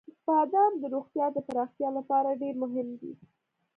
• بادام د روغتیا د پراختیا لپاره ډېر مهم دی.